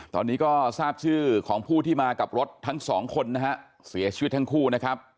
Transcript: ตอนนี้ก็ทราบชื่อของผู้ที่มากับรถทั้งสองคนนะฮะเสียชีวิตทั้งคู่นะครับ